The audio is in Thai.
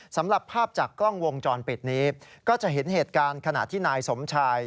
สำหรับภาพจากกล้องวงจรปิดนี้ก็จะเห็นเหตุการณ์ขณะที่นายสมชาย